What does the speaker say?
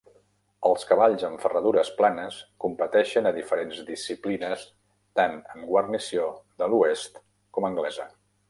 Els cavalls amb ferradures planes competeixen a diferents disciplines tant amb guarnició de l'oest com anglesa.